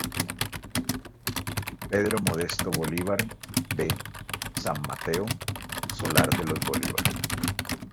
Pedro Modesto Bolívar B. San Mateo, Solar de los Bolívar.